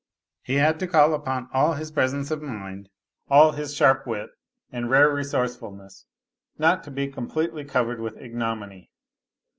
He had to call upon all his presence of mind, all liis sharp wit and rare resourcefulness not to be com plot'ly eov< red with ignominy.